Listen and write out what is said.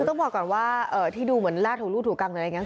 ก็เพราะเกิดว่าที่ดูเหมือนแลกถูกรู่ถูกกัง